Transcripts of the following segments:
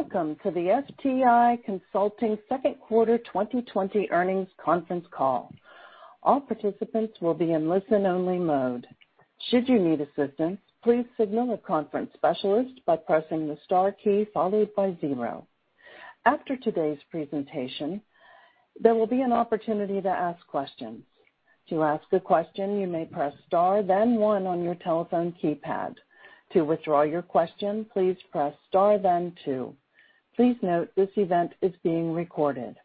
Welcome to the FTI Consulting second quarter 2020 earnings conference call. All participants will be in listen-only mode. Should you need assistance, please signal a conference specialist by pressing the star key followed by zero. After today's presentation, there will be an opportunity to ask questions. To ask a question, you may press star then one on your telephone keypad. To withdraw your question, please press star then two. Please note this event is being recorded.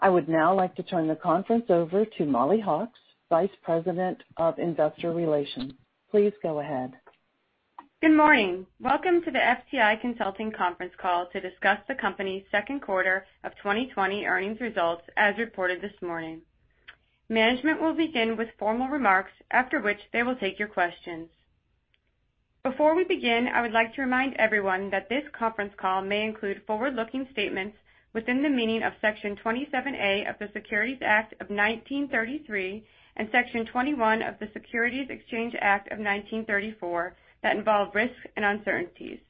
I would now like to turn the conference over to Mollie Hawkes, Vice President of Investor Relations. Please go ahead. Good morning. Welcome to the FTI Consulting conference call to discuss the company's second quarter of 2020 earnings results, as reported this morning. Management will begin with formal remarks, after which they will take your questions. Before we begin, I would like to remind everyone that this conference call may include forward-looking statements within the meaning of Section 27A of the Securities Act of 1933 and Section 21E of the Securities Exchange Act of 1934 that involve risks and uncertainties.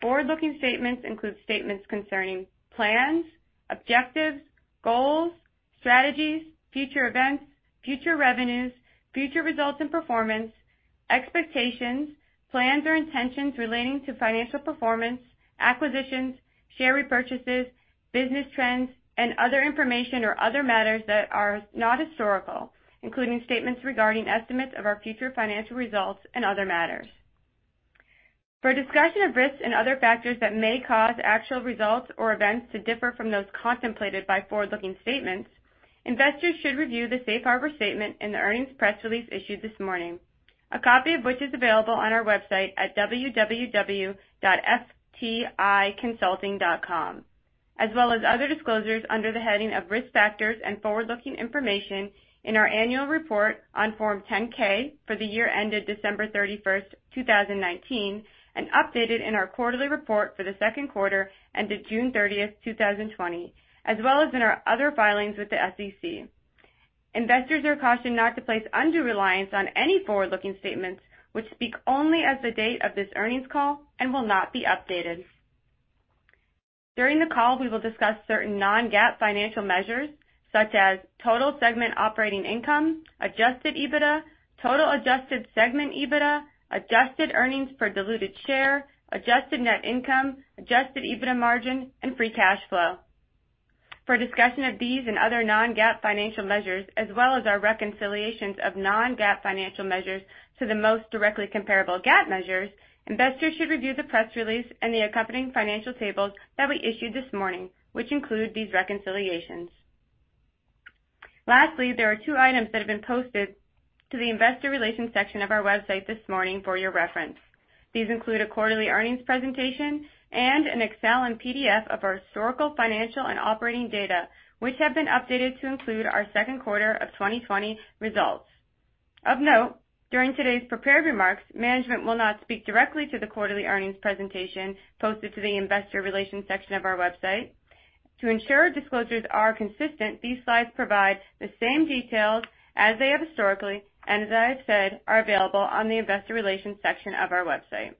Forward-looking statements include statements concerning plans, objectives, goals, strategies, future events, future revenues, future results and performance, expectations, plans or intentions relating to financial performance, acquisitions, share repurchases, business trends, and other information or other matters that are not historical, including statements regarding estimates of our future financial results and other matters. For a discussion of risks and other factors that may cause actual results or events to differ from those contemplated by forward-looking statements, investors should review the safe harbor statement in the earnings press release issued this morning, a copy of which is available on our website at www.fticonsulting.com, as well as other disclosures under the heading of Risk Factors and Forward-Looking Information in our annual report on Form 10-K for the year ended December 31st, 2019, and updated in our quarterly report for the second quarter ended June 30th, 2020, as well as in our other filings with the SEC. Investors are cautioned not to place undue reliance on any forward-looking statements which speak only as of the date of this earnings call and will not be updated. During the call, we will discuss certain non-GAAP financial measures such as total segment operating income, adjusted EBITDA, total adjusted segment EBITDA, adjusted earnings per diluted share, adjusted net income, adjusted EBITDA margin, and free cash flow. For a discussion of these and other non-GAAP financial measures, as well as our reconciliations of non-GAAP financial measures to the most directly comparable GAAP measures, investors should review the press release and the accompanying financial tables that we issued this morning, which include these reconciliations. Lastly, there are two items that have been posted to the investor relations section of our website this morning for your reference. These include a quarterly earnings presentation and an Excel and PDF of our historical, financial, and operating data, which have been updated to include our second quarter of 2020 results. Of note, during today's prepared remarks, management will not speak directly to the quarterly earnings presentation posted to the investor relations section of our website. To ensure disclosures are consistent, these slides provide the same details as they have historically, and as I have said, are available on the investor relations section of our website.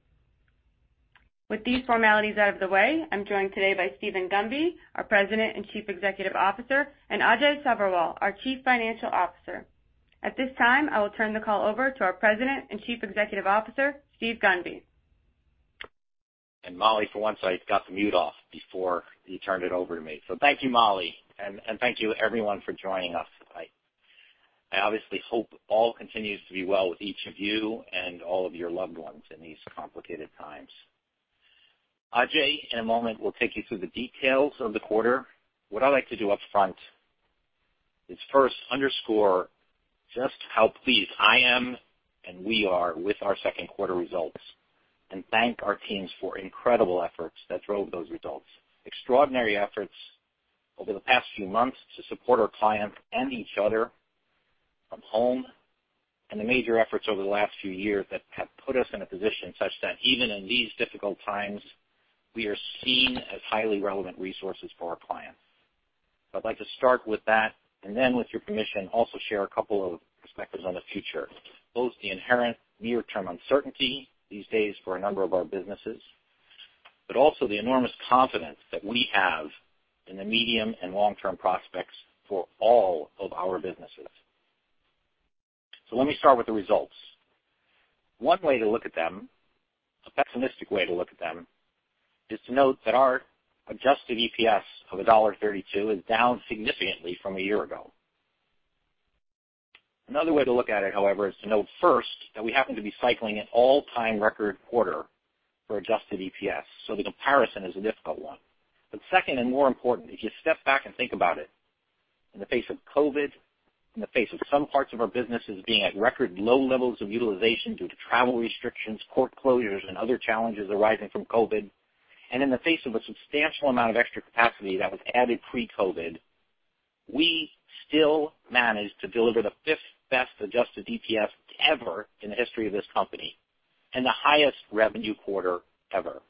With these formalities out of the way, I'm joined today by Steven Gunby, our President and Chief Executive Officer, and Ajay Sabherwal, our Chief Financial Officer. At this time, I will turn the call over to our President and Chief Executive Officer, Steven Gunby. Mollie Hawkes, for once I got the mute off before you turned it over to me. Thank you, Mollie Hawkes, thank you everyone for joining us. I obviously hope all continues to be well with each of you and all of your loved ones in these complicated times. Ajay Sabherwal, in a moment, will take you through the details of the quarter. What I'd like to do upfront is first underscore just how pleased I am, we are, with our second quarter results, thank our teams for incredible efforts that drove those results. Extraordinary efforts over the past few months to support our clients and each other from home, the major efforts over the last few years that have put us in a position such that even in these difficult times, we are seen as highly relevant resources for our clients. I'd like to start with that, and then with your permission, also share a couple of perspectives on the future, both the inherent near-term uncertainty these days for a number of our businesses, but also the enormous confidence that we have in the medium and long-term prospects for all of our businesses. Let me start with the results. One way to look at them, a pessimistic way to look at them, is to note that our adjusted EPS of $1.32 is down significantly from a year ago. Another way to look at it, however, is to note first that we happen to be cycling an all-time record quarter for adjusted EPS. The comparison is a difficult one. Second and more important, if you step back and think about it, in the face of COVID-19, in the face of some parts of our businesses being at record low levels of utilization due to travel restrictions, court closures, and other challenges arising from COVID-19, and in the face of a substantial amount of extra capacity that was added pre-COVID-19, we still managed to deliver the fifth-best adjusted EPS ever in the history of this company and the highest revenue quarter ever.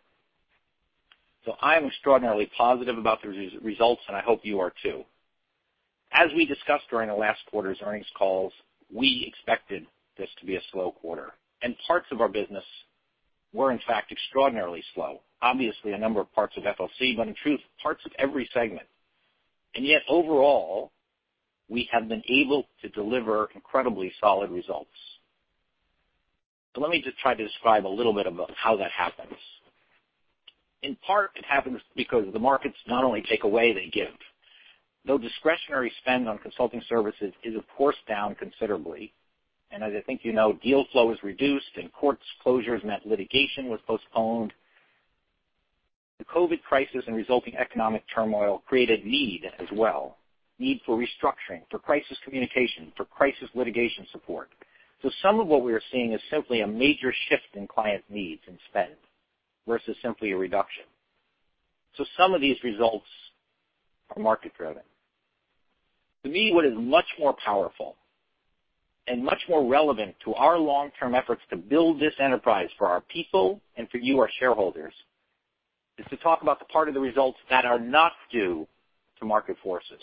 I am extraordinarily positive about the results, and I hope you are too. As we discussed during the last quarter's earnings calls, we expected this to be a slow quarter, and parts of our business were in fact extraordinarily slow. Obviously, a number of parts of FLC, but in truth, parts of every segment. Yet overall, we have been able to deliver incredibly solid results. Let me just try to describe a little bit about how that happens. In part, it happens because the markets not only take away, they give. Though discretionary spend on consulting services is, of course, down considerably, and as I think you know, deal flow is reduced and courts closures meant litigation was postponed. The COVID-19 crisis and resulting economic turmoil created need as well, need for restructuring, for crisis communication, for crisis litigation support. Some of what we are seeing is simply a major shift in client needs and spend, versus simply a reduction. Some of these results are market-driven. To me, what is much more powerful and much more relevant to our long-term efforts to build this enterprise for our people and for you, our shareholders, is to talk about the part of the results that are not due to market forces,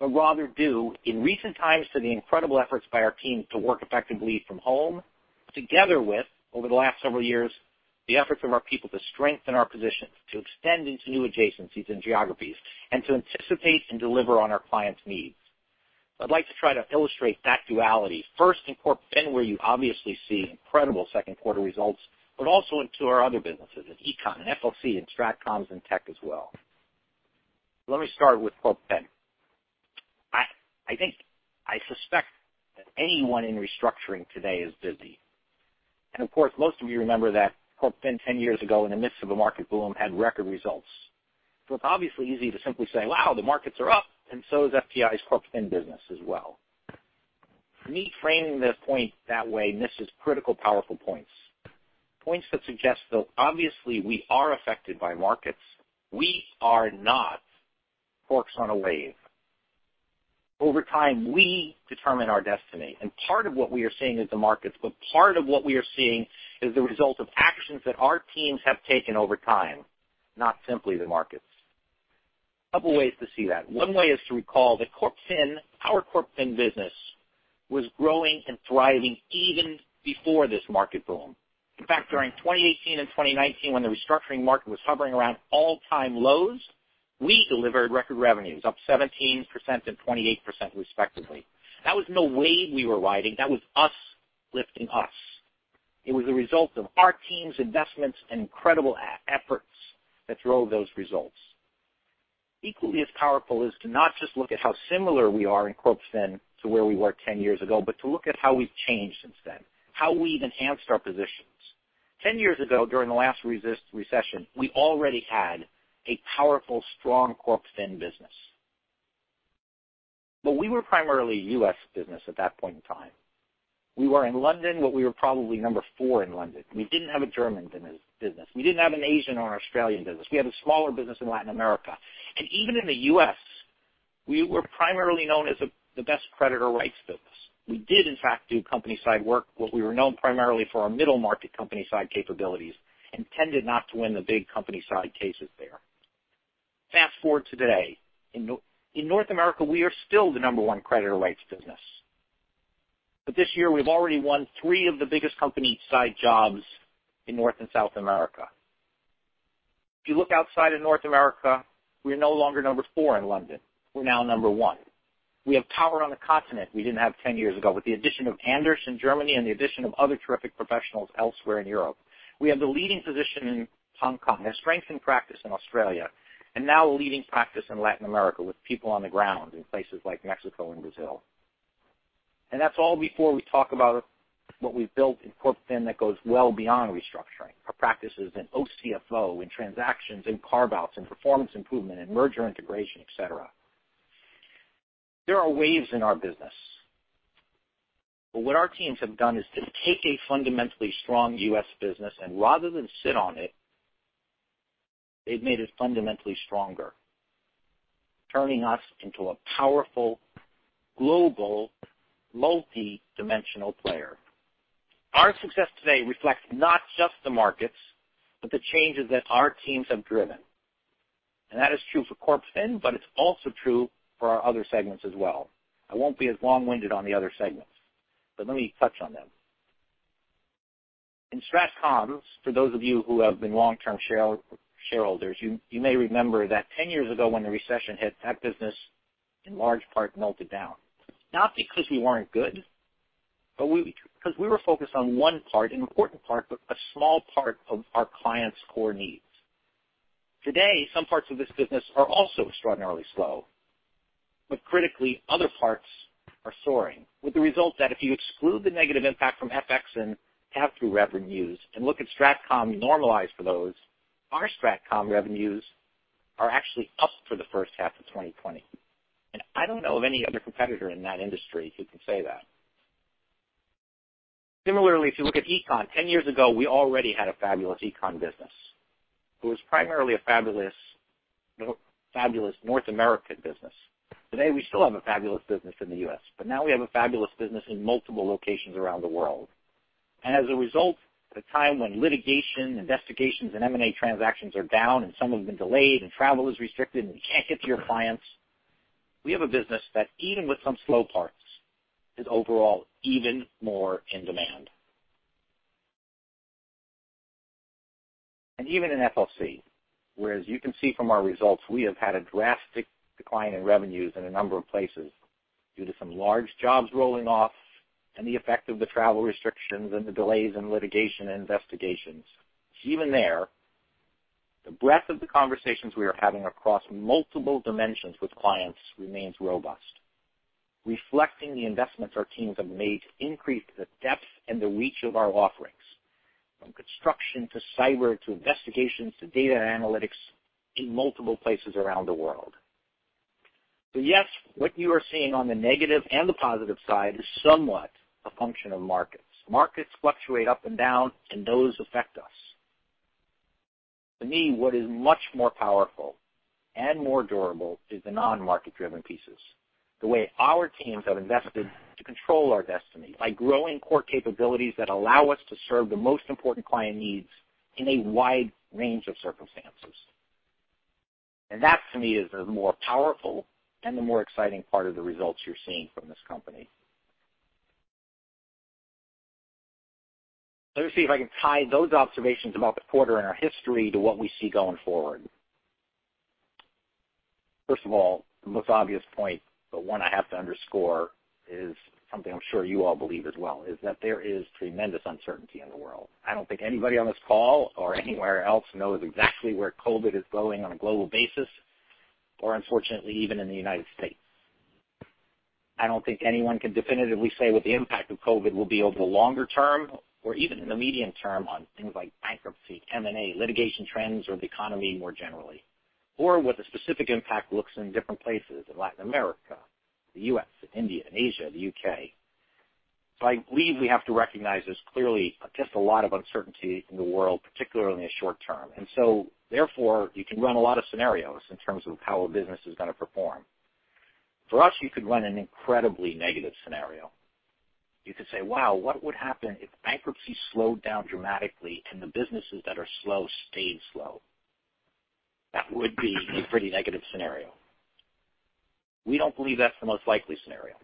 rather due in recent times to the incredible efforts by our teams to work effectively from home, together with, over the last several years, the efforts of our people to strengthen our position, to extend into new adjacencies and geographies, and to anticipate and deliver on our clients' needs. I'd like to try to illustrate that duality first in CorpFin, where you obviously see incredible second quarter results, also into our other businesses in Econ and FLC and Stratcoms and tech as well. Let me start with CorpFin. I suspect that anyone in restructuring today is busy. Of course, most of you remember that CorpFin 10 years ago, in the midst of a market boom, had record results. It's obviously easy to simply say, "Wow. The markets are up, and so is FTI Consulting CorpFin business as well." For me, framing the point that way misses critical, powerful points. Points that suggest, though obviously we are affected by markets, we are not forks on a wave. Over time, we determine our destiny, and part of what we are seeing is the markets, but part of what we are seeing is the result of actions that our teams have taken over time, not simply the markets. A couple ways to see that. One way is to recall that our CorpFin business was growing and thriving even before this market boom. In fact, during 2018 and 2019, when the restructuring market was hovering around all-time lows, we delivered record revenues, up 17% and 28% respectively. That was no wave we were riding. That was us lifting us. It was a result of our team's investments and incredible efforts that drove those results. Equally as powerful is to not just look at how similar we are in CorpFin to where we were 10 years ago, but to look at how we've changed since then, how we've enhanced our positions. 10 years ago, during the last recession, we already had a powerful, strong CorpFin business. We were primarily a U.S. business at that point in time. We were in London, but we were probably number four in London. We didn't have a German business. We didn't have an Asian or an Australian business. We had a smaller business in Latin America. Even in the U.S., we were primarily known as the best creditor rights business. We did in fact do company-side work, but we were known primarily for our middle-market company-side capabilities and tended not to win the big company-side cases there. Fast-forward to today. In North America, we are still the number one creditor rights business. This year, we've already won three of the biggest company-side jobs in North and South America. If you look outside of North America, we're no longer number four in London. We're now number one. We have power on the continent we didn't have 10 years ago with the addition of Andersch in Germany and the addition of other terrific professionals elsewhere in Europe. We have the leading position in Hong Kong, a strengthened practice in Australia, now a leading practice in Latin America with people on the ground in places like Mexico and Brazil. That's all before we talk about what we've built in CorpFin that goes well beyond restructuring, our practices in OCFO, in transactions, in carve-outs, in performance improvement, in merger integration, et cetera. There are waves in our business. What our teams have done is to take a fundamentally strong U.S. business and rather than sit on it, they've made it fundamentally stronger, turning us into a powerful, global, multidimensional player. Our success today reflects not just the markets, but the changes that our teams have driven. That is true for CorpFin, but it's also true for our other segments as well. I won't be as long-winded on the other segments, but let me touch on them. In Stratcoms, for those of you who have been long-term shareholders, you may remember that 10 years ago when the recession hit, that business in large part melted down. Not because we weren't good, but because we were focused on one part, an important part, but a small part of our clients' core needs. Today, some parts of this business are also extraordinarily slow. Critically, other parts are soaring with the result that if you exclude the negative impact from FX and pass-through revenues and look at Stratcom normalized for those, our Stratcom revenues are actually up for the first half of 2020. I don't know of any other competitor in that industry who can say that. Similarly, if you look at Econ, 10 years ago, we already had a fabulous Econ business. It was primarily a fabulous North American business. Today, we still have a fabulous business in the U.S. Now we have a fabulous business in multiple locations around the world. As a result, at a time when litigation, investigations, and M&A transactions are down and some have been delayed and travel is restricted and you can't get to your clients, we have a business that, even with some slow parts, is overall even more in demand. Even in FLC, where as you can see from our results, we have had a drastic decline in revenues in a number of places due to some large jobs rolling off and the effect of the travel restrictions and the delays in litigation and investigations. Even there, the breadth of the conversations we are having across multiple dimensions with clients remains robust, reflecting the investments our teams have made to increase the depth and the reach of our offerings, from construction to cyber, to investigations, to data analytics in multiple places around the world. Yes, what you are seeing on the negative and the positive side is somewhat a function of markets. Markets fluctuate up and down, and those affect us. To me, what is much more powerful and more durable is the non-market-driven pieces. The way our teams have invested to control our destiny by growing core capabilities that allow us to serve the most important client needs in a wide range of circumstances. That, to me, is the more powerful and the more exciting part of the results you're seeing from this company. Let me see if I can tie those observations about the quarter and our history to what we see going forward. First of all, the most obvious point, but one I have to underscore, is something I'm sure you all believe as well, is that there is tremendous uncertainty in the world. I don't think anybody on this call or anywhere else knows exactly where COVID-19 is going on a global basis, or unfortunately, even in the United States. I don't think anyone can definitively say what the impact of COVID-19 will be over the longer term or even in the medium term on things like bankruptcy, M&A, litigation trends, or the economy more generally, or what the specific impact looks in different places in Latin America, the U.S., India and Asia, the U.K. I believe we have to recognize there's clearly just a lot of uncertainty in the world, particularly in the short term. Therefore, you can run a lot of scenarios in terms of how a business is going to perform. For us, you could run an incredibly negative scenario. You could say, "Wow, what would happen if bankruptcies slowed down dramatically and the businesses that are slow stayed slow?" That would be a pretty negative scenario. We don't believe that's the most likely scenario.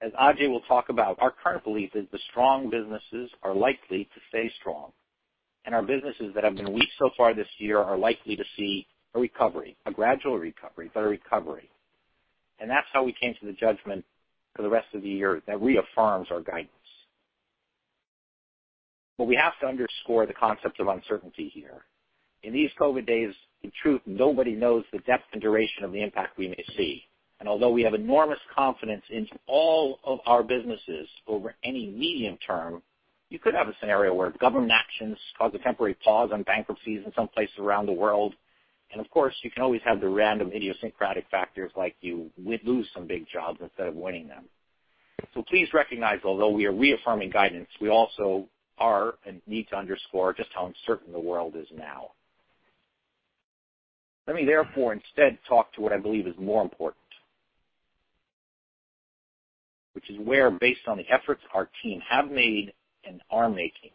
As Ajay Sabherwal will talk about, our current belief is the strong businesses are likely to stay strong, and our businesses that have been weak so far this year are likely to see a recovery, a gradual recovery, but a recovery. That's how we came to the judgment for the rest of the year that reaffirms our guidance. We have to underscore the concept of uncertainty here. In these COVID-19 days, in truth, nobody knows the depth and duration of the impact we may see. Although we have enormous confidence in all of our businesses over any medium term, you could have a scenario where government actions cause a temporary pause on bankruptcies in some places around the world. Of course, you can always have the random idiosyncratic factors like you would lose some big jobs instead of winning them. Please recognize, although we are reaffirming guidance, we also are and need to underscore just how uncertain the world is now. Let me therefore instead talk to what I believe is more important, which is where, based on the efforts our team have made and are making,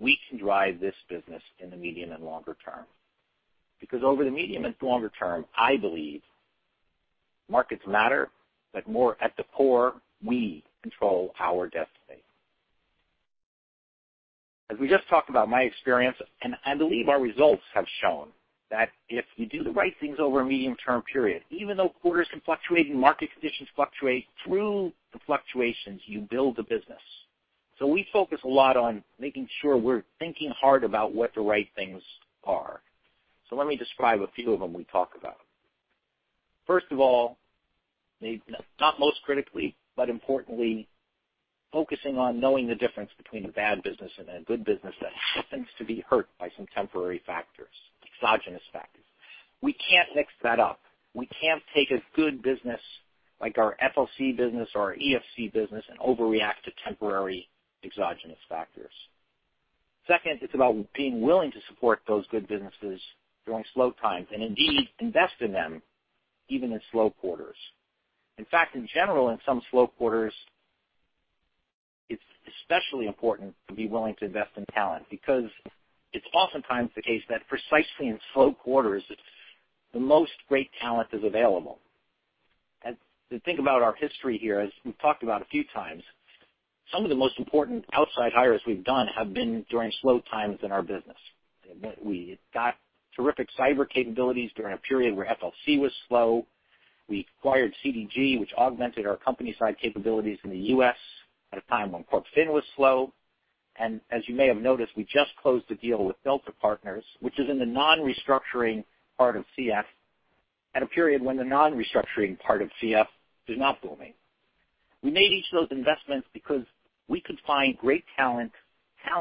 we can drive this business in the medium and longer term. Over the medium and longer term, I believe markets matter, but more at the core, we control our destiny. As we just talked about my experience, and I believe our results have shown that if you do the right things over a medium-term period, even though quarters can fluctuate and market conditions fluctuate, through the fluctuations, you build a business. We focus a lot on making sure we're thinking hard about what the right things are. Let me describe a few of them we talk about. First of all, maybe not most critically, but importantly, focusing on knowing the difference between a bad business and a good business that happens to be hurt by some temporary factors, exogenous factors. We can't mix that up. We can't take a good business like our FLC business or our Econ business and overreact to temporary exogenous factors. It's about being willing to support those good businesses during slow times, and indeed, invest in them even in slow quarters. In general, in some slow quarters, it's especially important to be willing to invest in talent because it's oftentimes the case that precisely in slow quarters, the most great talent is available. To think about our history here, as we've talked about a few times, some of the most important outside hires we've done have been during slow times in our business. We got terrific cyber capabilities during a period where FLC was slow. We acquired CDG, which augmented our company-side capabilities in the U.S. at a time when CorpFin was slow. As you may have noticed, we just closed a deal with Delta Partners, which is in the non-restructuring part of CF at a period when the non-restructuring part of CF is not booming. We made each of those investments because we could find great talent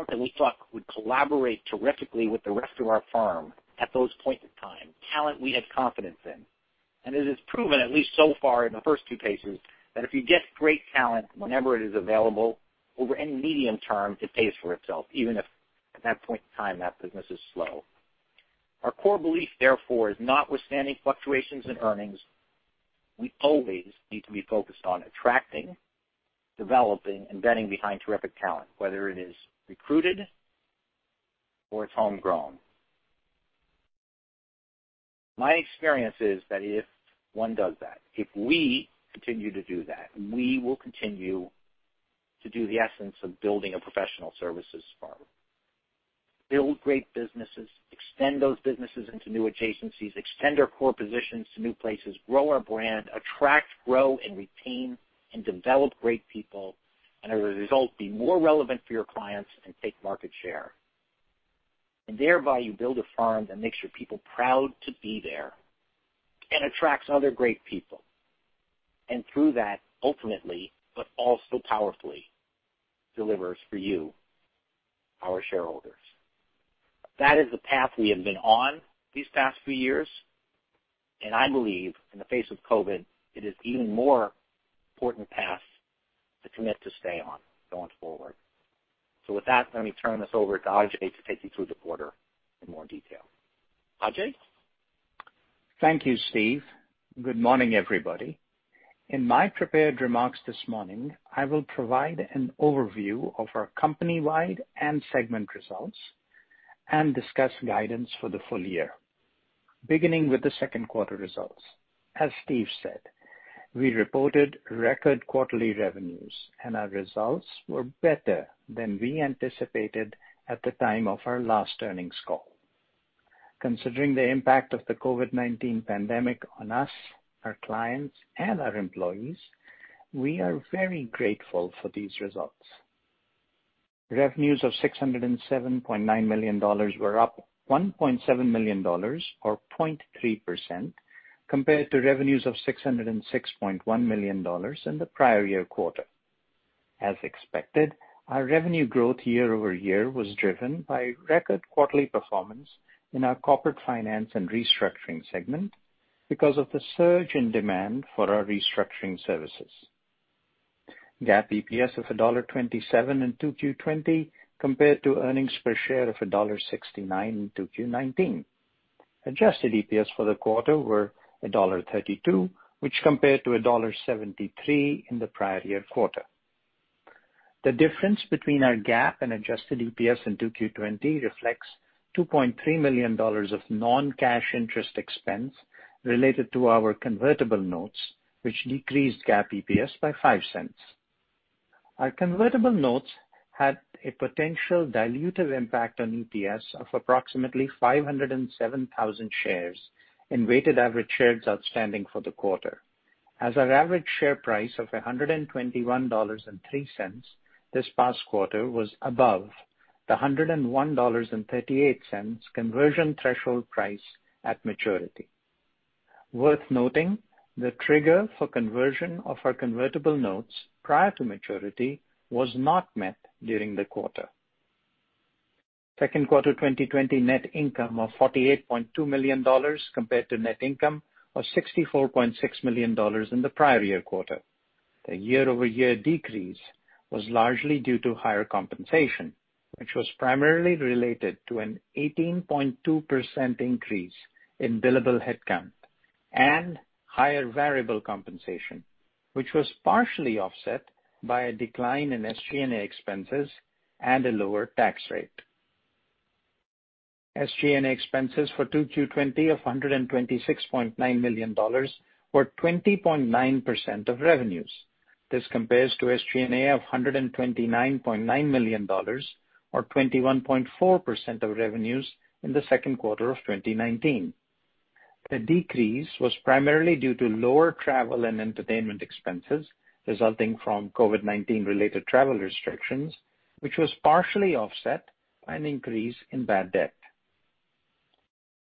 that we thought would collaborate terrifically with the rest of our firm at those points in time, talent we had confidence in. It has proven, at least so far in the first two cases, that if you get great talent whenever it is available over any medium term, it pays for itself, even if at that point in time that business is slow. Our core belief, therefore, is notwithstanding fluctuations in earnings. We always need to be focused on attracting, developing, and vetting behind terrific talent, whether it is recruited or it's homegrown. My experience is that if one does that, if we continue to do that, we will continue to do the essence of building a professional services firm. Build great businesses, extend those businesses into new adjacencies, extend our core positions to new places, grow our brand, attract, grow, and retain, and develop great people, and as a result, be more relevant for your clients and take market share. Thereby you build a firm that makes your people proud to be there and attracts other great people. Through that, ultimately, but also powerfully, delivers for you, our shareholders. That is the path we have been on these past few years, and I believe in the face of COVID-19, it is even more important path to commit to stay on going forward. With that, let me turn this over to Ajay Sabherwal to take you through the quarter in more detail. Ajay Sabherwal? Thank you, Steven Gunby. Good morning, everybody. In my prepared remarks this morning, I will provide an overview of our company-wide and segment results and discuss guidance for the full year. Beginning with the second quarter results, as Steven Gunby said, we reported record quarterly revenues, and our results were better than we anticipated at the time of our last earnings call. Considering the impact of the COVID-19 pandemic on us, our clients, and our employees, we are very grateful for these results. Revenues of $607.9 million were up $1.7 million, or 0.3%, compared to revenues of $606.1 million in the prior year quarter. As expected, our revenue growth year-over-year was driven by record quarterly performance in our Corporate Finance & Restructuring segment because of the surge in demand for our restructuring services. GAAP EPS of $1.27 in Q2 2020 compared to earnings per share of $1.69 in Q2 2019. Adjusted EPS for the quarter were $1.32, which compared to $1.73 in the prior year quarter. The difference between our GAAP and adjusted EPS in Q2 2020 reflects $2.3 million of non-cash interest expense related to our convertible notes, which decreased GAAP EPS by $0.05. Our convertible notes had a potential dilutive impact on EPS of approximately 507,000 shares in weighted average shares outstanding for the quarter, as our average share price of $121.03 this past quarter was above the $101.38 conversion threshold price at maturity. Worth noting, the trigger for conversion of our convertible notes prior to maturity was not met during the quarter. Second quarter 2020 net income of $48.2 million compared to net income of $64.6 million in the prior year quarter. The year-over-year decrease was largely due to higher compensation, which was primarily related to an 18.2% increase in billable headcount and higher variable compensation, which was partially offset by a decline in SG&A expenses and a lower tax rate. SG&A expenses for Q2 2020 of $126.9 million were 20.9% of revenues. This compares to SG&A of $129.9 million, or 21.4% of revenues, in the second quarter of 2019. The decrease was primarily due to lower travel and entertainment expenses resulting from COVID-19 related travel restrictions, which was partially offset by an increase in bad debt.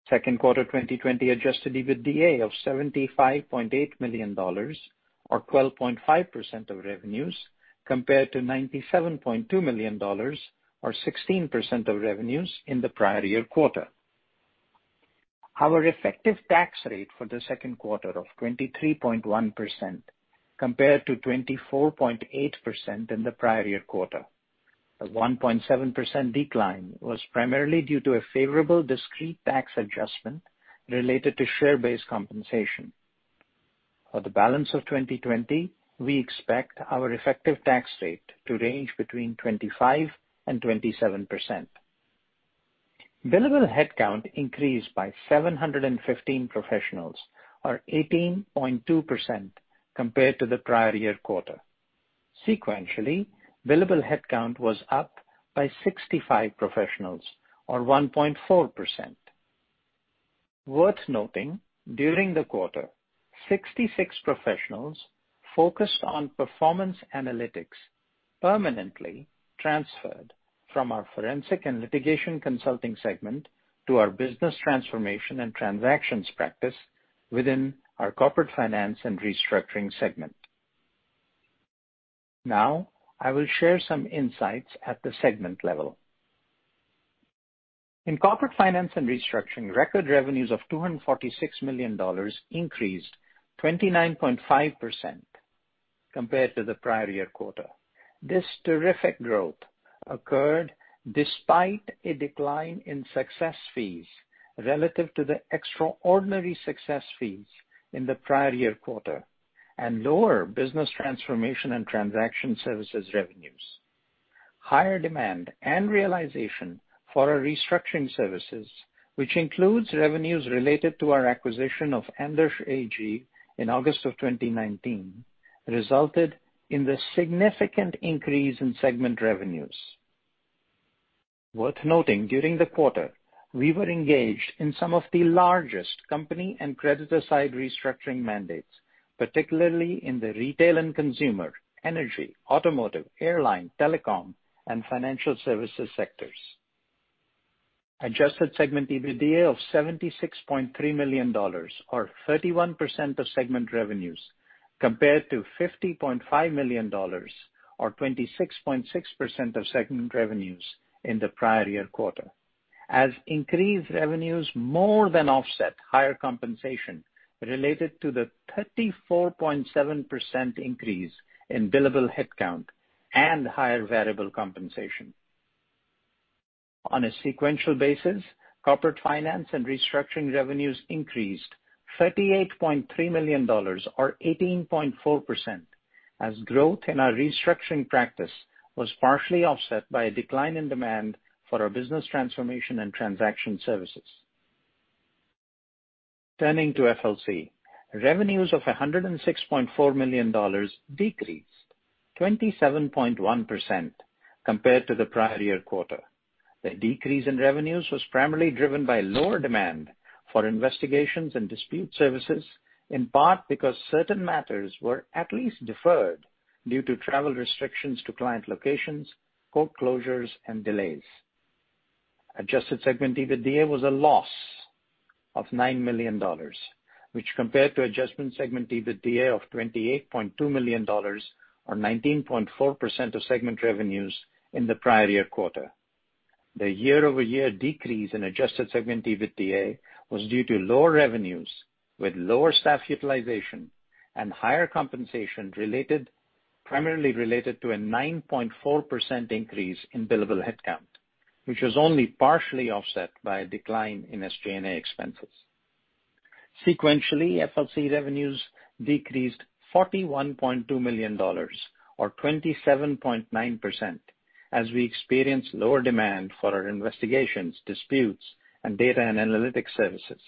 Second quarter 2020 adjusted EBITDA of $75.8 million or 12.5% of revenues, compared to $97.2 million or 16% of revenues in the prior year quarter. Our effective tax rate for the second quarter of 23.1% compared to 24.8% in the prior year quarter. A 1.7% decline was primarily due to a favorable discrete tax adjustment related to share-based compensation. For the balance of 2020, we expect our effective tax rate to range between 25% and 27%. Billable headcount increased by 715 professionals or 18.2% compared to the prior year quarter. Sequentially, billable headcount was up by 65 professionals or 1.4%. Worth noting, during the quarter, 66 professionals focused on performance analytics permanently transferred from our Forensic and Litigation Consulting segment to our business transformation and transactions practice within our Corporate Finance & Restructuring segment. I will share some insights at the segment level. In Corporate Finance & Restructuring, record revenues of $246 million increased 29.5% compared to the prior year quarter. This terrific growth occurred despite a decline in success fees relative to the extraordinary success fees in the prior year quarter, and lower business transformation and transaction services revenues. Higher demand and realization for our restructuring services, which includes revenues related to our acquisition of Andersch AG in August of 2019, resulted in the significant increase in segment revenues. Worth noting, during the quarter, we were engaged in some of the largest company and creditor side restructuring mandates, particularly in the retail and consumer, energy, automotive, airline, telecom, and financial services sectors. Adjusted segment EBITDA of $76.3 million, or 31% of segment revenues, compared to $50.5 million, or 26.6% of segment revenues in the prior year quarter. As increased revenues more than offset higher compensation related to the 34.7% increase in billable headcount and higher variable compensation. On a sequential basis, Corporate Finance & Restructuring revenues increased $38.3 million, or 18.4%, as growth in our restructuring practice was partially offset by a decline in demand for our business transformation and transactions services. Turning to FLC, revenues of $106.4 million decreased 27.1% compared to the prior year quarter. The decrease in revenues was primarily driven by lower demand for investigations and dispute services, in part because certain matters were at least deferred due to travel restrictions to client locations, court closures, and delays. Adjusted segment EBITDA was a loss of $9 million, which compared to adjusted segment EBITDA of $28.2 million, or 19.4% of segment revenues in the prior year quarter. The year-over-year decrease in adjusted segment EBITDA was due to lower revenues, with lower staff utilization and higher compensation, primarily related to a 9.4% increase in billable headcount, which was only partially offset by a decline in SG&A expenses. Sequentially, FLC revenues decreased $41.2 million or 27.9%, as we experienced lower demand for our investigations, disputes, and data and analytics services.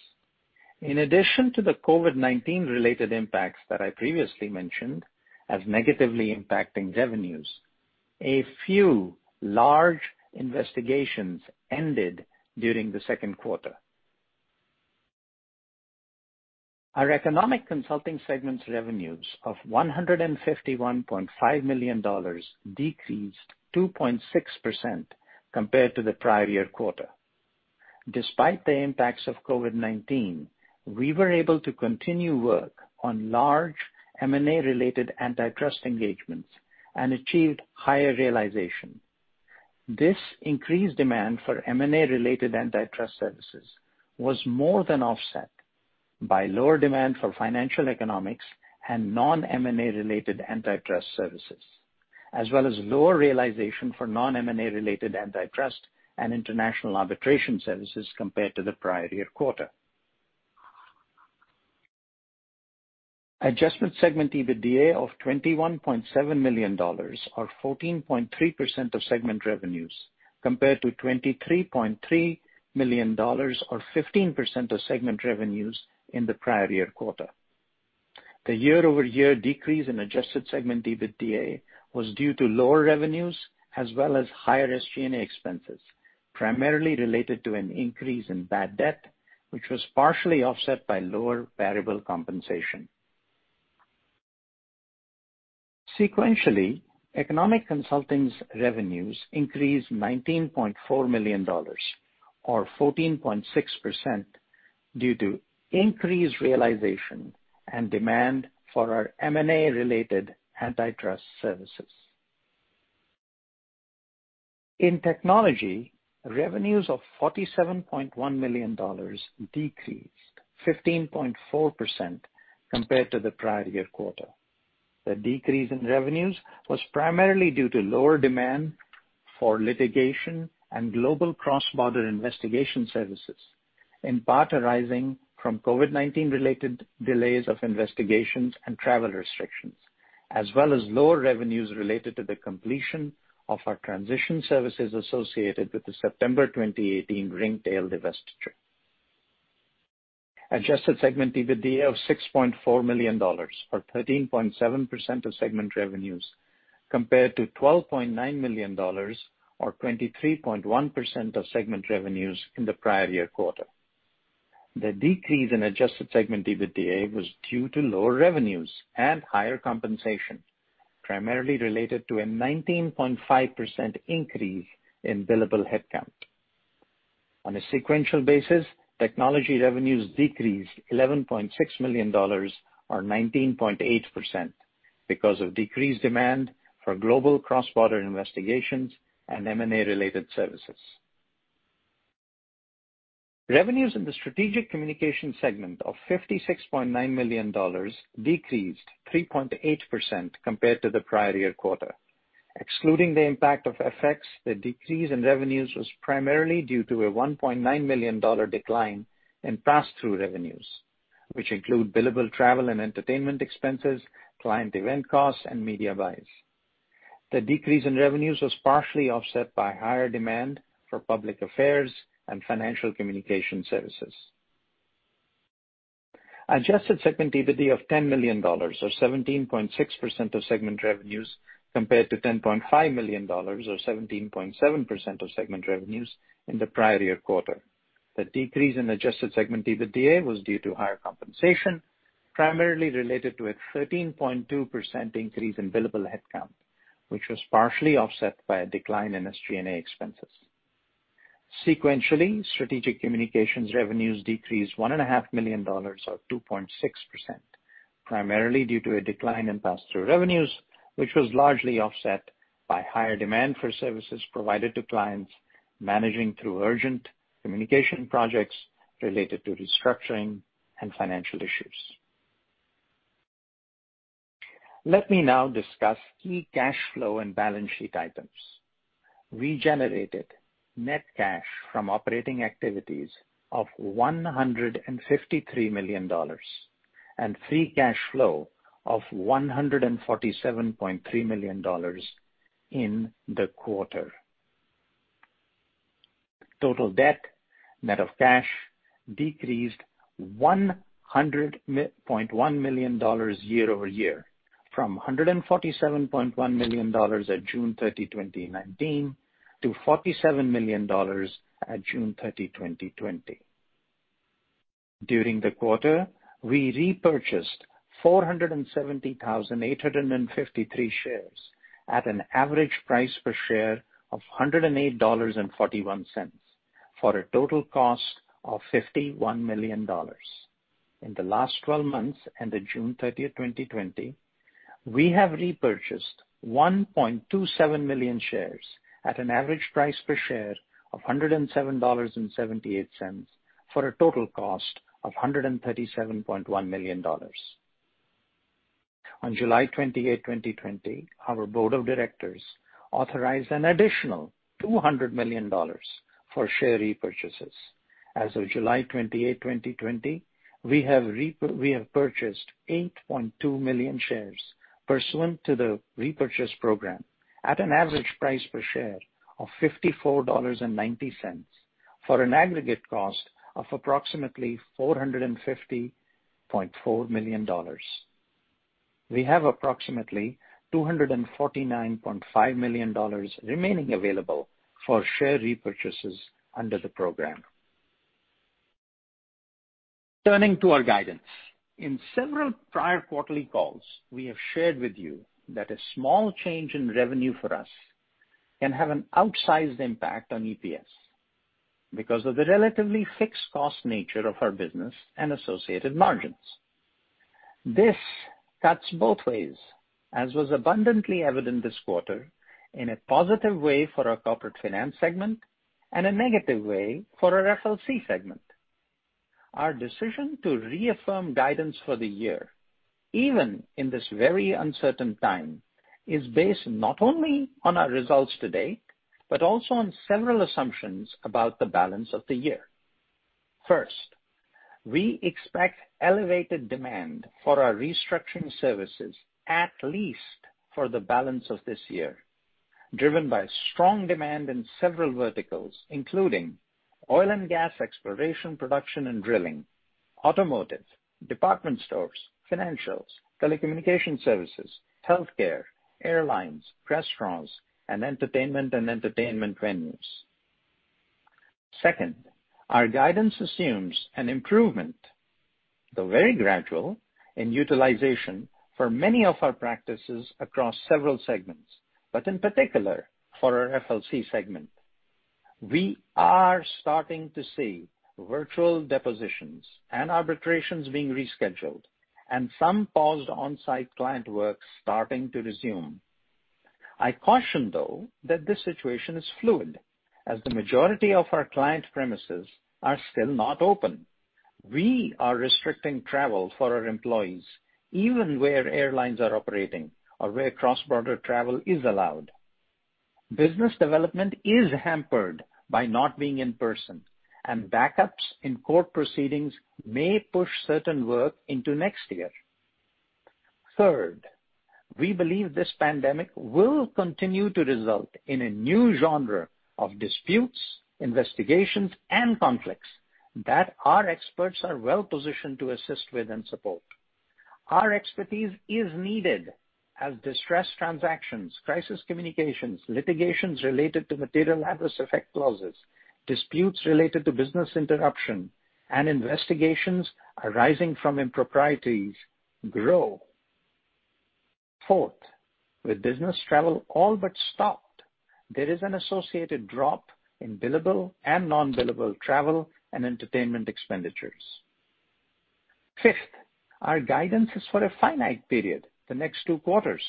In addition to the COVID-19 related impacts that I previously mentioned as negatively impacting revenues, a few large investigations ended during the second quarter. Our Economic Consulting segment's revenues of $151.5 million decreased 2.6% compared to the prior year quarter. Despite the impacts of COVID-19, we were able to continue work on large M&A-related antitrust engagements and achieved higher realization. This increased demand for M&A-related antitrust services was more than offset by lower demand for financial economics and non-M&A-related antitrust services, as well as lower realization for non-M&A-related antitrust and international arbitration services compared to the prior year quarter. Adjusted segment EBITDA of $21.7 million or 14.3% of segment revenues, compared to $23.3 million or 15% of segment revenues in the prior year quarter. The year-over-year decrease in adjusted segment EBITDA was due to lower revenues as well as higher SG&A expenses, primarily related to an increase in bad debt, which was partially offset by lower variable compensation. Sequentially, Economic Consulting's revenues increased $19.4 million, or 14.6%, due to increased realization and demand for our M&A-related antitrust services. In technology, revenues of $47.1 million decreased 15.4% compared to the prior year quarter. The decrease in revenues was primarily due to lower demand for litigation and global cross-border investigation services, in part arising from COVID-19 related delays of investigations and travel restrictions, as well as lower revenues related to the completion of our transition services associated with the September 2018 Ringtail divestiture. Adjusted segment EBITDA of $6.4 million or 13.7% of segment revenues compared to $12.9 million or 23.1% of segment revenues in the prior year quarter. The decrease in adjusted segment EBITDA was due to lower revenues and higher compensation, primarily related to a 19.5% increase in billable headcount. On a sequential basis, technology revenues decreased $11.6 million or 19.8% because of decreased demand for global cross-border investigations and M&A-related services. Revenues in the Strategic Communications segment of $56.9 million decreased 3.8% compared to the prior year quarter. Excluding the impact of FX, the decrease in revenues was primarily due to a $1.9 million decline in pass-through revenues, which include billable travel and entertainment expenses, client event costs, and media buys. The decrease in revenues was partially offset by higher demand for public affairs and financial communication services. Adjusted segment EBITDA of $10 million, or 17.6% of segment revenues, compared to $10.5 million or 17.7% of segment revenues in the prior year quarter. The decrease in adjusted segment EBITDA was due to higher compensation, primarily related to a 13.2% increase in billable headcount, which was partially offset by a decline in SG&A expenses. Sequentially, Strategic Communications revenues decreased $1.5 million or 2.6%, primarily due to a decline in pass-through revenues, which was largely offset by higher demand for services provided to clients managing through urgent communication projects related to restructuring and financial issues. Let me now discuss key cash flow and balance sheet items. We generated net cash from operating activities of $153 million and free cash flow of $147.3 million in the quarter. Total debt, net of cash, decreased $100.1 million year-over-year from $147.1 million at June 30, 2019, to $47 million at June 30, 2020. During the quarter, we repurchased 470,853 shares at an average price per share of $108.41 for a total cost of $51 million. In the last 12 months ended June 30th, 2020, we have repurchased 1.27 million shares at an average price per share of $107.78 for a total cost of $137.1 million. On July 28th, 2020, our board of directors authorized an additional $200 million for share repurchases. As of July 28th, 2020, we have purchased 8.2 million shares pursuant to the repurchase program at an average price per share of $54.90 for an aggregate cost of approximately $450.4 million. We have approximately $249.5 million remaining available for share repurchases under the program. Turning to our guidance. In several prior quarterly calls, we have shared with you that a small change in revenue for us can have an outsized impact on EPS because of the relatively fixed cost nature of our business and associated margins. This cuts both ways, as was abundantly evident this quarter, in a positive way for our Corporate Finance segment and a negative way for our FLC segment. Our decision to reaffirm guidance for the year, even in this very uncertain time, is based not only on our results today, but also on several assumptions about the balance of the year. First, we expect elevated demand for our restructuring services, at least for the balance of this year, driven by strong demand in several verticals, including oil and gas exploration, production and drilling, automotive, department stores, financials, telecommunication services, healthcare, airlines, restaurants, and entertainment and entertainment venues. Second, our guidance assumes an improvement, though very gradual, in utilization for many of our practices across several segments, but in particular for our FLC segment. We are starting to see virtual depositions and arbitrations being rescheduled, and some paused on-site client work starting to resume. I caution, though, that this situation is fluid as the majority of our client premises are still not open. We are restricting travel for our employees, even where airlines are operating or where cross-border travel is allowed. Business development is hampered by not being in person, and backups in court proceedings may push certain work into next year. Third, we believe this pandemic will continue to result in a new genre of disputes, investigations, and conflicts that our experts are well-positioned to assist with and support. Our expertise is needed as distressed transactions, crisis communications, litigations related to material adverse effect clauses, disputes related to business interruption, and investigations arising from improprieties grow. Fourth, with business travel all but stopped, there is an associated drop in billable and non-billable travel and entertainment expenditures. Fifth, our guidance is for a finite period, the next two quarters,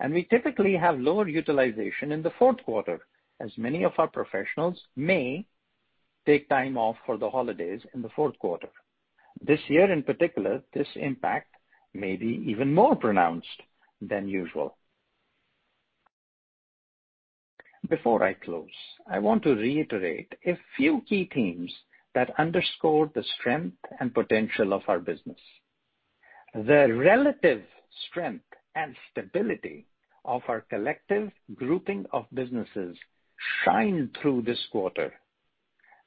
and we typically have lower utilization in the fourth quarter, as many of our professionals may take time off for the holidays in the fourth quarter. This year, in particular, this impact may be even more pronounced than usual. Before I close, I want to reiterate a few key themes that underscore the strength and potential of our business. The relative strength and stability of our collective grouping of businesses shine through this quarter.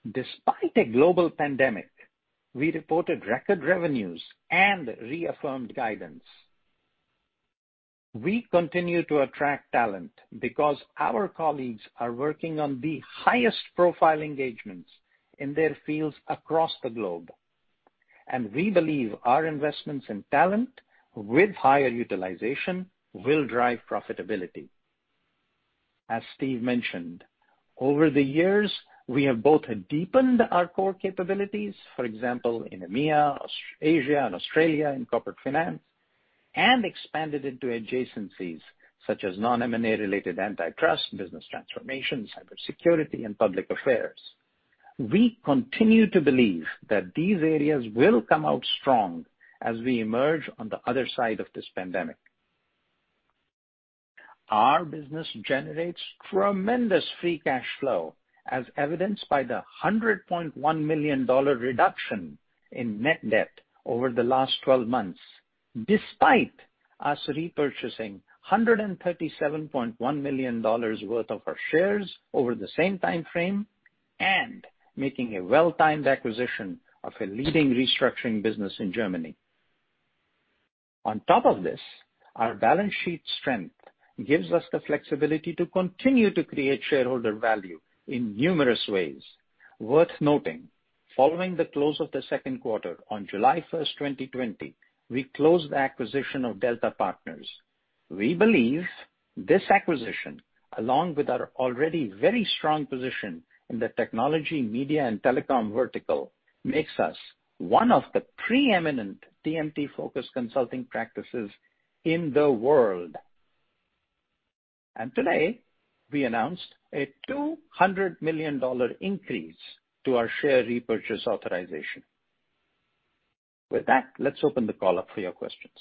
Despite a global pandemic, we reported record revenues and reaffirmed guidance. We continue to attract talent because our colleagues are working on the highest profile engagements in their fields across the globe, and we believe our investments in talent with higher utilization will drive profitability. As Steven Gunby mentioned, over the years, we have both deepened our core capabilities, for example, in EMEA, Asia, and Australia, in Corporate Finance & Restructuring, and expanded into adjacencies such as non-M&A related antitrust, business transformation, cybersecurity, and public affairs. We continue to believe that these areas will come out strong as we emerge on the other side of this pandemic. Our business generates tremendous free cash flow, as evidenced by the $100.1 million reduction in net debt over the last 12 months, despite us repurchasing $137.1 million worth of our shares over the same time frame, and making a well-timed acquisition of a leading restructuring business in Germany. On top of this, our balance sheet strength gives us the flexibility to continue to create shareholder value in numerous ways. Worth noting, following the close of the second quarter on July 1st, 2020, we closed the acquisition of Delta Partners. We believe this acquisition, along with our already very strong position in the technology, media, and telecom vertical, makes us one of the preeminent TMT-focused consulting practices in the world. Today, we announced a $200 million increase to our share repurchase authorization. With that, let's open the call up for your questions.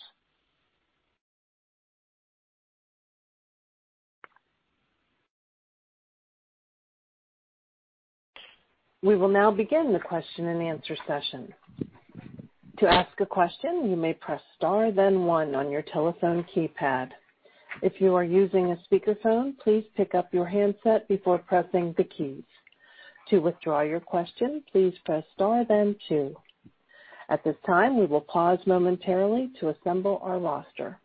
We will now begin the question and answer session. To ask a question, you may press star then one on your telephone keypad. If you are using a speakerphone, please pick up your handset before pressing the keys. To withdraw your question, please press star then two. At this time, we will pause momentarily to assemble our roster.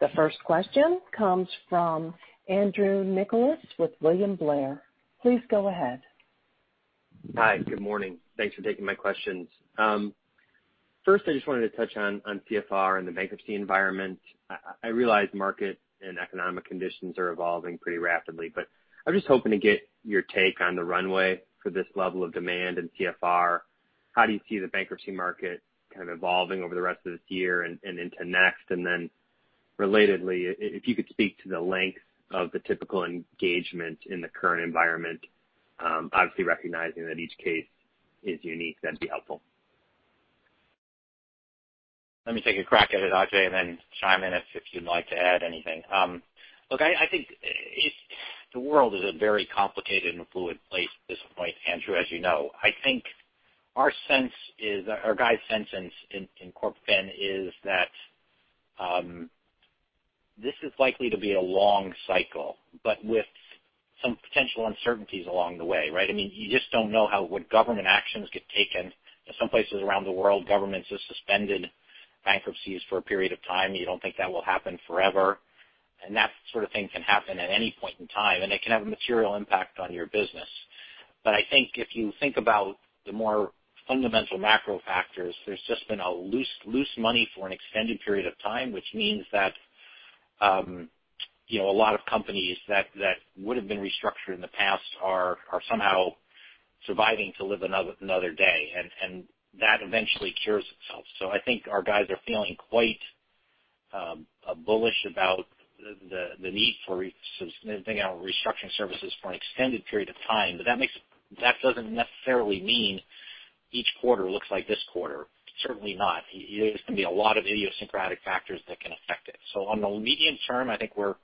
The first question comes from Andrew Nicholas with William Blair. Please go ahead. Hi. Good morning. Thanks for taking my questions. First, I just wanted to touch on CFR and the bankruptcy environment. I realize market and economic conditions are evolving pretty rapidly, I'm just hoping to get your take on the runway for this level of demand in CFR. How do you see the bankruptcy market kind of evolving over the rest of this year and into next? Relatedly, if you could speak to the length of the typical engagement in the current environment, obviously recognizing that each case is unique, that'd be helpful. Let me take a crack at it, Ajay Sabherwal, and then chime in if you'd like to add anything. Look, I think the world is a very complicated and fluid place at this point, Andrew Nicholas, as you know. I think our guy's sense in CorpFin is that this is likely to be a long cycle, but with some potential uncertainties along the way, right? You just don't know what government actions get taken. In some places around the world, governments have suspended bankruptcies for a period of time. You don't think that will happen forever. That sort of thing can happen at any point in time, and it can have a material impact on your business. I think if you think about the more fundamental macro factors, there's just been loose money for an extended period of time, which means that a lot of companies that would've been restructured in the past are somehow surviving to live another day, and that eventually cures itself. I think our guys are feeling quite bullish about the need for restructuring services for an extended period of time. That doesn't necessarily mean each quarter looks like this quarter. Certainly not. There's going to be a lot of idiosyncratic factors that can affect it. On the medium term, I think we're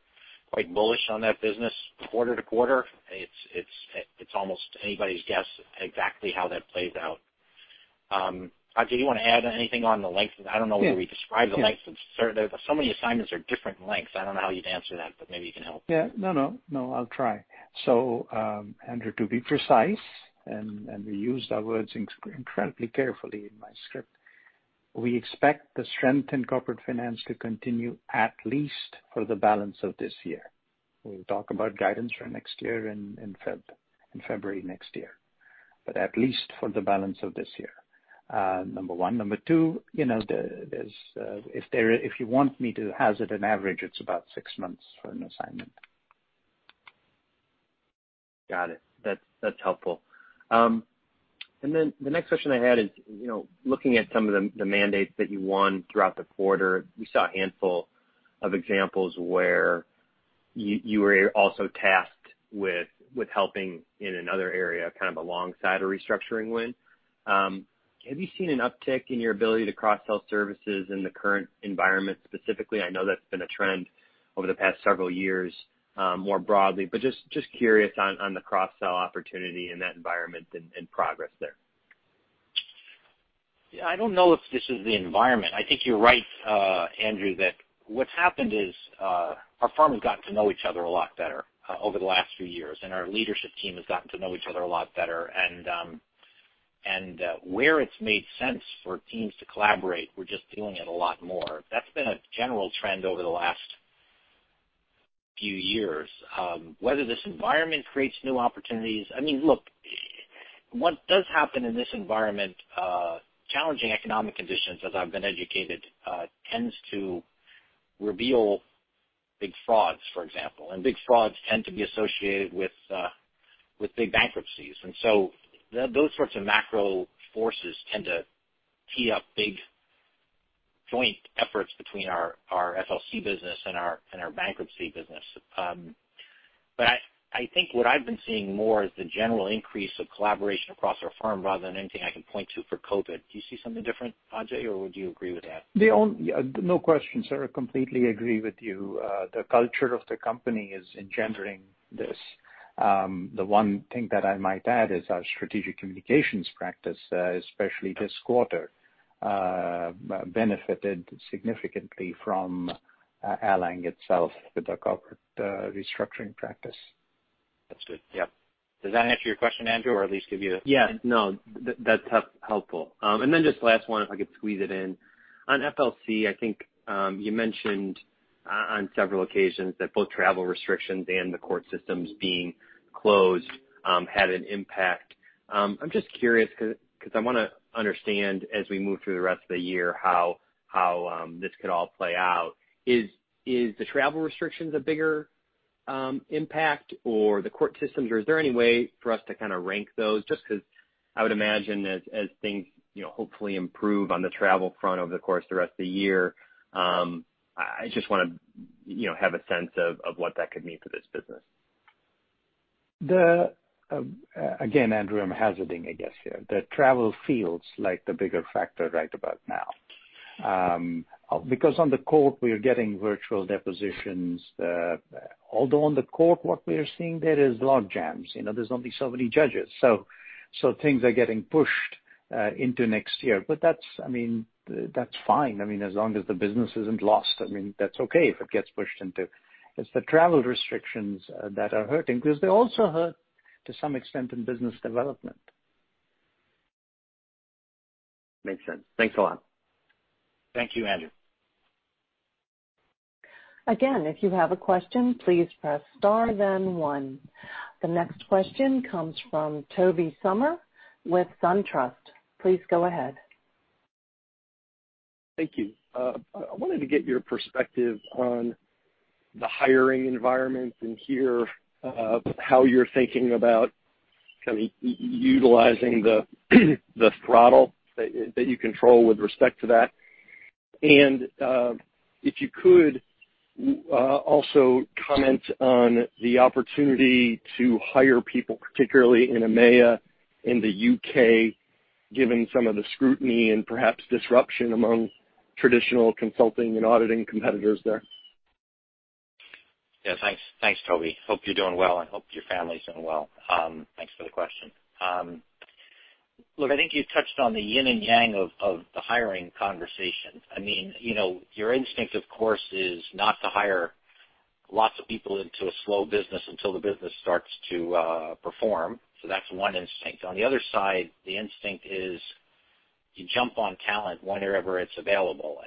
quite bullish on that business quarter to quarter. It's almost anybody's guess exactly how that plays out. Ajay Sabherwal, do you want to add anything on the length? I don't know whether we described the length of. Many assignments are different lengths. I don't know how you'd answer that, but maybe you can help. Yeah. No, I'll try. Andrew Nicholas, to be precise, and we used our words incredibly carefully in my script, we expect the strength in Corporate Finance to continue at least for the balance of this year. We'll talk about guidance for next year in February next year, but at least for the balance of this year, number one. Number two, if you want me to hazard an average, it's about six months for an assignment. Got it. That's helpful. The next question I had is, looking at some of the mandates that you won throughout the quarter, we saw a handful of examples where you were also tasked with helping in another area, kind of alongside a restructuring win. Have you seen an uptick in your ability to cross-sell services in the current environment specifically? I know that's been a trend over the past several years, more broadly, but just curious on the cross-sell opportunity in that environment and progress there. Yeah, I don't know if this is the environment. I think you're right, Andrew Nicholas, that what's happened is our firm has gotten to know each other a lot better over the last few years, and our leadership team has gotten to know each other a lot better. Where it's made sense for teams to collaborate, we're just doing it a lot more. That's been a general trend over the last few years. Whether this environment creates new opportunities, I mean, look, what does happen in this environment, challenging economic conditions, as I've been educated, tends to reveal big frauds, for example. Big frauds tend to be associated with big bankruptcies. Those sorts of macro forces tend to tee up big joint efforts between our FLC business and our bankruptcy business. I think what I've been seeing more is the general increase of collaboration across our firm rather than anything I can point to for COVID-19. Do you see something different, Ajay Sabherwal, or would you agree with that? No question, sir, completely agree with you. The culture of the company is engendering this. The one thing that I might add is our Strategic Communications practice, especially this quarter, benefited significantly from allying itself with the Corporate Restructuring practice. That's good. Yep. Does that answer your question, Andrew Nicholas, or at least give you- Yeah. No, that's helpful. Just last one, if I could squeeze it in. On FLC, I think you mentioned on several occasions that both travel restrictions and the court systems being closed had an impact. I'm just curious because I want to understand as we move through the rest of the year how this could all play out. Is the travel restrictions a bigger impact or the court systems? Is there any way for us to kind of rank those? Just because I would imagine as things hopefully improve on the travel front over the course of the rest of the year, I just want to have a sense of what that could mean for this business. Andrew, I'm hazarding a guess here. The travel feels like the bigger factor right about now. On the court, we are getting virtual depositions. On the court what we are seeing there is logjams. There's only so many judges. Things are getting pushed into next year. That's fine. As long as the business isn't lost, that's okay. It's the travel restrictions that are hurting because they also hurt to some extent in business development. Makes sense. Thanks a lot. Thank you, Andrew Nicholas. Again, if you have a question, please press star then one. The next question comes from Tobey Sommer with SunTrust. Please go ahead. Thank you. I wanted to get your perspective on the hiring environment and hear how you're thinking about kind of utilizing the throttle that you control with respect to that. If you could also comment on the opportunity to hire people, particularly in EMEA, in the U.K., given some of the scrutiny and perhaps disruption among traditional consulting and auditing competitors there. Thanks, Tobey Sommer. Hope you're doing well, and hope your family's doing well. Thanks for the question. Look, I think you touched on the yin and yang of the hiring conversation. Your instinct, of course, is not to hire lots of people into a slow business until the business starts to perform. That's one instinct. On the other side, the instinct is you jump on talent whenever it's available.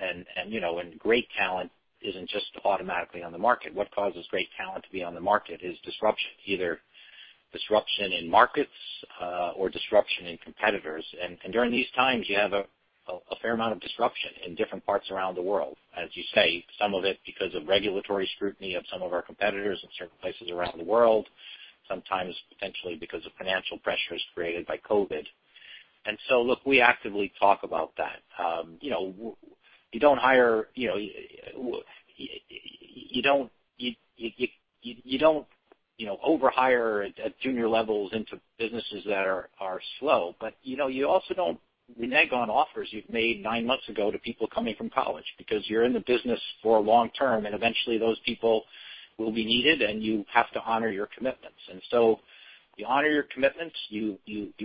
Great talent isn't just automatically on the market. What causes great talent to be on the market is disruption, either disruption in markets or disruption in competitors. During these times, you have a fair amount of disruption in different parts around the world. As you say, some of it because of regulatory scrutiny of some of our competitors in certain places around the world, sometimes potentially because of financial pressures created by COVID-19. Look, we actively talk about that. You don't over-hire at junior levels into businesses that are slow. You also don't renege on offers you've made nine months ago to people coming from college because you're in the business for a long term, and eventually those people will be needed, and you have to honor your commitments. You honor your commitments, you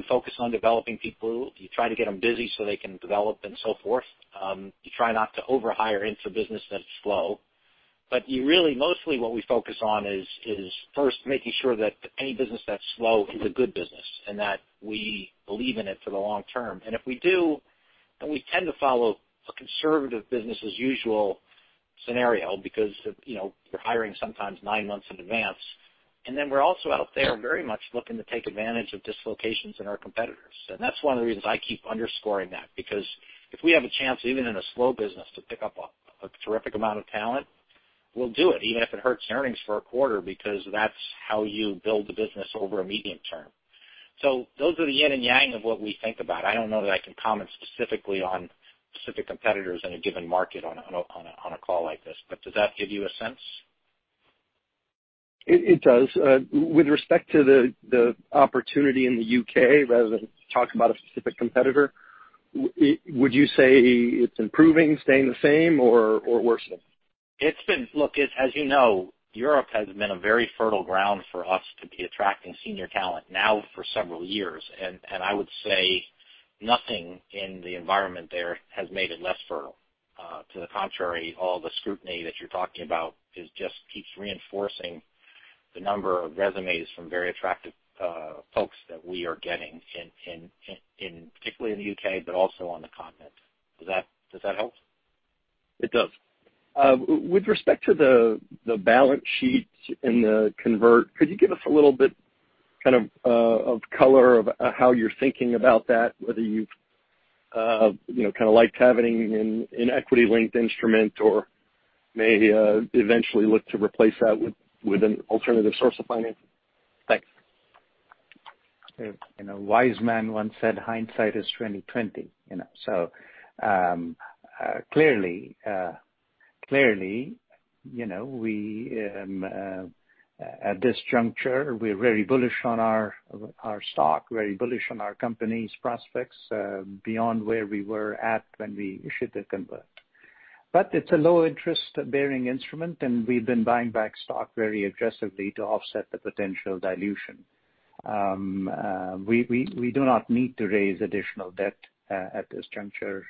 focus on developing people, you try to get them busy so they can develop and so forth. You try not to over-hire into business that's slow. You really, mostly what we focus on is first making sure that any business that's slow is a good business and that we believe in it for the long term. If we do, then we tend to follow a conservative business as usual scenario because you're hiring sometimes nine months in advance. We're also out there very much looking to take advantage of dislocations in our competitors. That's one of the reasons I keep underscoring that, because if we have a chance, even in a slow business, to pick up a terrific amount of talent, we'll do it, even if it hurts earnings for a quarter, because that's how you build the business over a medium term. Those are the yin and yang of what we think about. I don't know that I can comment specifically on specific competitors in a given market on a call like this, but does that give you a sense? It does. With respect to the opportunity in the U.K., rather than talk about a specific competitor, would you say it's improving, staying the same or worsening? Look, as you know, Europe has been a very fertile ground for us to be attracting senior talent now for several years. I would say nothing in the environment there has made it less fertile. To the contrary, all the scrutiny that you're talking about just keeps reinforcing the number of resumes from very attractive folks that we are getting, particularly in the U.K., but also on the continent. Does that help? It does. With respect to the balance sheet and the convert, could you give us a little bit of color of how you're thinking about that, whether you like having an equity-linked instrument or may eventually look to replace that with an alternative source of financing? Thanks. A wise man once said, hindsight is 2020. Clearly, at this juncture, we're very bullish on our stock, very bullish on our company's prospects beyond where we were at when we issued the convert. It's a low interest-bearing instrument, and we've been buying back stock very aggressively to offset the potential dilution. We do not need to raise additional debt at this juncture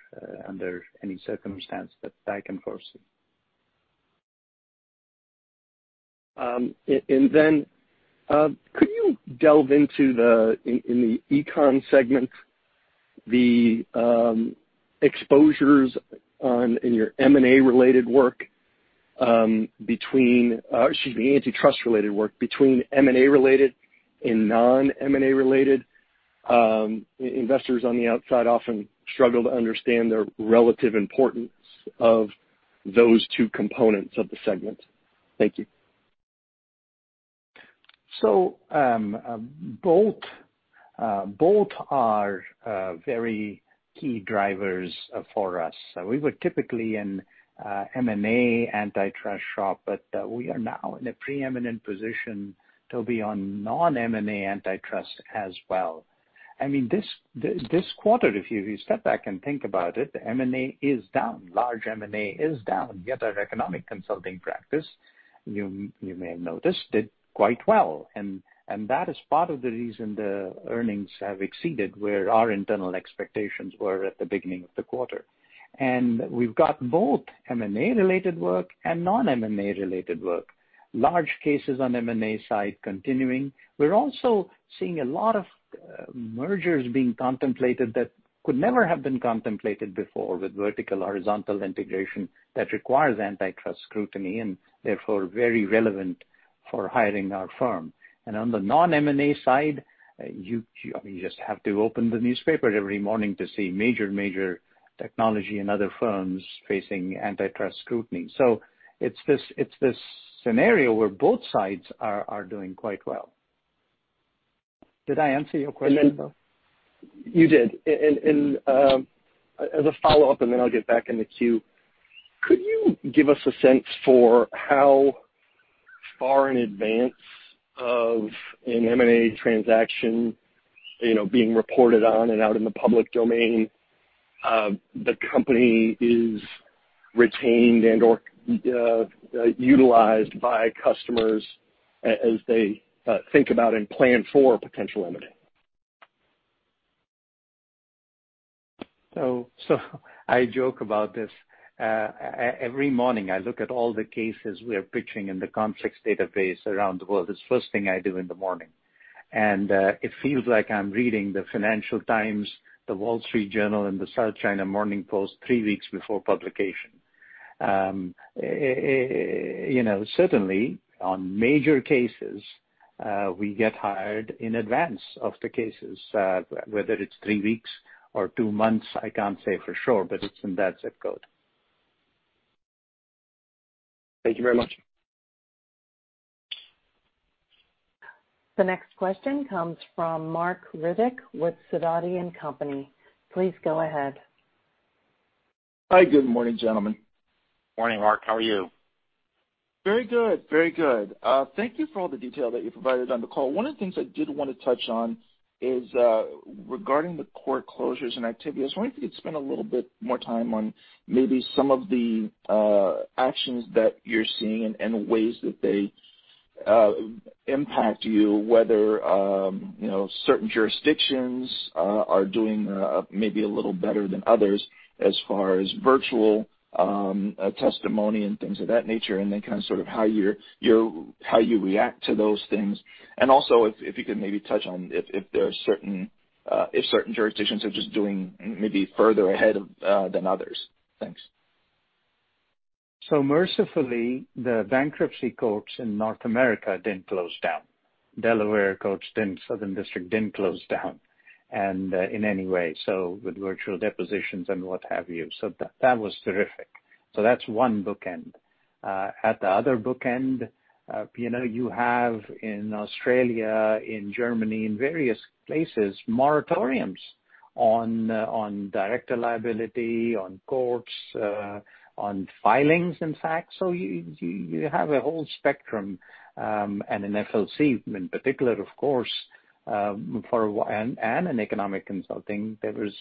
under any circumstance that I can foresee. Could you delve into, in the Econ segment, the exposures in your M&A-related work, actually, the antitrust-related work between M&A-related and non-M&A related? Investors on the outside often struggle to understand the relative importance of those two components of the segment. Thank you. Both are very key drivers for us. We were typically an M&A antitrust shop, but we are now in a preeminent position to be on non-M&A antitrust as well. This quarter, if you step back and think about it, M&A is down. Large M&A is down. Yet our Economic Consulting practice, you may have noticed, did quite well. That is part of the reason the earnings have exceeded where our internal expectations were at the beginning of the quarter. We've got both M&A-related work and non-M&A-related work. Large cases on M&A side continuing. We're also seeing a lot of mergers being contemplated that could never have been contemplated before with vertical-horizontal integration that requires antitrust scrutiny and therefore very relevant for hiring our firm. On the non-M&A side, you just have to open the newspaper every morning to see major technology and other firms facing antitrust scrutiny. It's this scenario where both sides are doing quite well. Did I answer your question though? You did. As a follow-up, I'll get back in the queue. Could you give us a sense for how far in advance of an M&A transaction being reported on and out in the public domain the company is retained and/or utilized by customers as they think about and plan for a potential M&A? I joke about this. Every morning I look at all the cases we are pitching in the conflicts database around the world. It's the first thing I do in the morning. It feels like I'm reading the Financial Times, The Wall Street Journal, and the South China Morning Post three weeks before publication. Certainly, on major cases, we get hired in advance of the cases whether it's three weeks or two months, I can't say for sure, but it's in that zip code. Thank you very much. The next question comes from Marc Riddick with Sidoti & Company. Please go ahead. Hi. Good morning, gentlemen. Morning, Marc Riddick. How are you? Very good. Thank you for all the detail that you provided on the call. One of the things I did want to touch on is regarding the court closures and activity. I was wondering if you could spend a little bit more time on maybe some of the actions that you're seeing and ways that they impact you, whether certain jurisdictions are doing maybe a little better than others as far as virtual testimony and things of that nature, and then how you react to those things. Also if you could maybe touch on if certain jurisdictions are just doing maybe further ahead than others. Thanks. Mercifully, the bankruptcy courts in North America didn't close down. Delaware courts, Southern District didn't close down in any way. With virtual depositions and what have you. That was terrific. That's one bookend. At the other bookend, you have in Australia, in Germany, in various places, moratoriums on director liability, on courts, on filings, in fact. You have a whole spectrum. In FLC in particular, of course, and in Economic Consulting, there was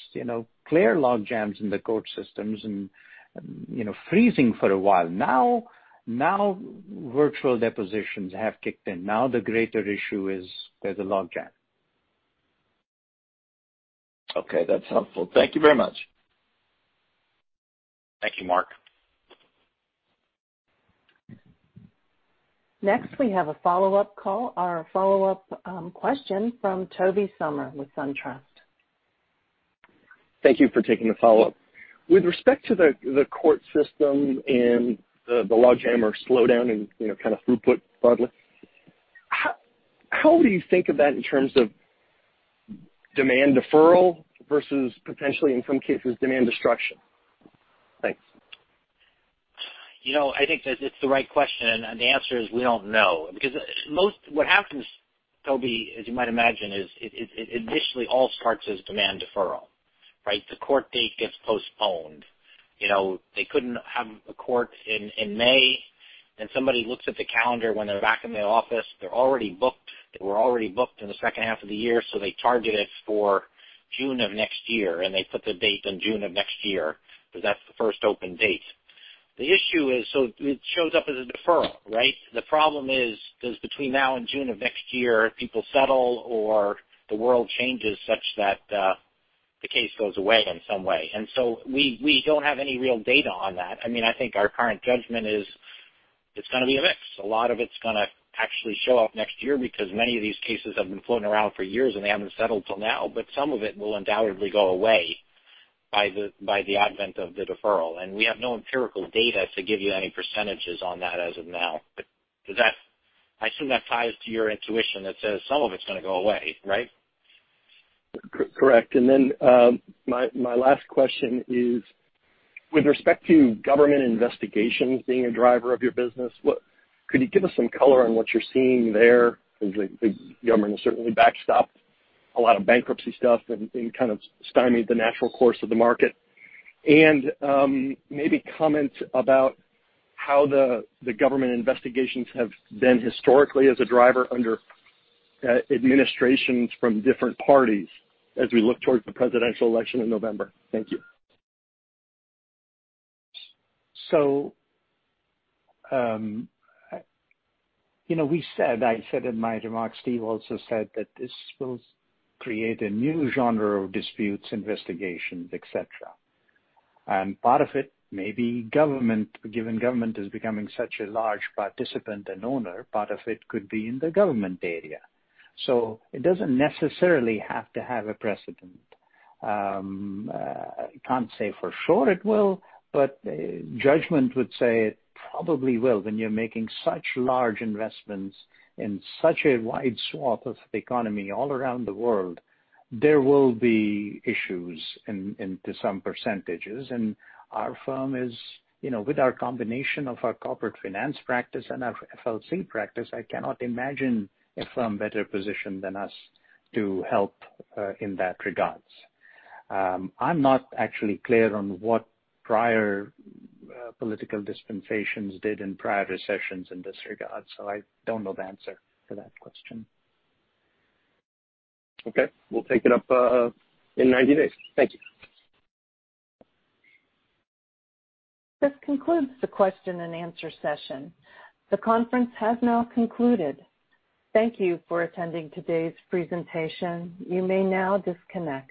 clear log jams in the court systems and freezing for a while. Now virtual depositions have kicked in. Now the greater issue is there's a log jam. Okay, that's helpful. Thank you very much. Thank you, Marc Riddick. Next, we have a follow-up call or a follow-up question from Tobey Sommer with SunTrust. Thank you for taking the follow-up. With respect to the court system and the log jam or slowdown in kind of throughput broadly, how do you think of that in terms of demand deferral versus potentially, in some cases, demand destruction? Thanks. I think that it's the right question, and the answer is we don't know. What happens, Tobey Sommer, as you might imagine, is it initially all starts as demand deferral, right? The court date gets postponed. They couldn't have a court in May, somebody looks at the calendar when they're back in the office, they're already booked. They were already booked in the second half of the year, they target it for June of next year, and they put the date in June of next year because that's the first open date. The issue is, it shows up as a deferral, right? The problem is, between now and June of next year, people settle or the world changes such that the case goes away in some way. We don't have any real data on that. I think our current judgment is it's going to be a mix. A lot of it's going to actually show up next year because many of these cases have been floating around for years, and they haven't settled till now. Some of it will undoubtedly go away by the advent of the deferral. We have no empirical data to give you any percentages on that as of now. I assume that ties to your intuition that says some of it's going to go away, right? Correct. My last question is, with respect to government investigations being a driver of your business, could you give us some color on what you're seeing there? The government has certainly backstopped a lot of bankruptcy stuff and kind of stymied the natural course of the market. Maybe comment about how the government investigations have been historically as a driver under administrations from different parties as we look towards the presidential election in November. Thank you. We said, I said in my remarks, Steven Gunby also said that this will create a new genre of disputes, investigations, et cetera. Part of it may be government, given government is becoming such a large participant and owner, part of it could be in the government area. It doesn't necessarily have to have a precedent. Can't say for sure it will, but judgment would say it probably will. When you're making such large investments in such a wide swath of the economy all around the world, there will be issues into some percentages. Our firm is, with our combination of our Corporate Finance practice and our FLC practice, I cannot imagine a firm better positioned than us to help in that regards. I'm not actually clear on what prior political dispensations did in prior recessions in this regard, so I don't know the answer to that question. Okay. We'll take it up in 90 days. Thank you. This concludes the question and answer session. The conference has now concluded. Thank you for attending today's presentation. You may now disconnect.